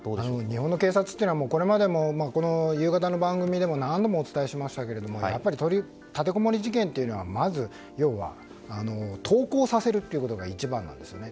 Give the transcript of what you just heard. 日本の警察というのはこれまでも夕方の番組でも何度もお伝えしましたがやはり立てこもり事件というのはまず投降させるということが一番なんですよね。